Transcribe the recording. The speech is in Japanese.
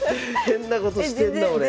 変なことしてんな俺。